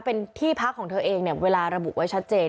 เป็นที่พักของเธอเองเนี่ยเวลาระบุไว้ชัดเจน